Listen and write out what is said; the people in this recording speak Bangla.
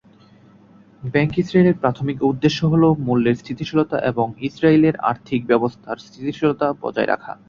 ব্যাংক ইসরায়েলের প্রাথমিক উদ্দেশ্য হল মূল্যের স্থিতিশীলতা এবং ইসরায়েলের আর্থিক ব্যবস্থার স্থিতিশীলতা বজায় রাখা।